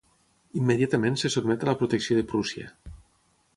Immediatament se sotmet a la protecció de Prússia.